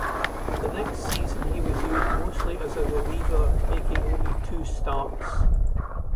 The next season, he was used mostly as a reliever, making only two starts.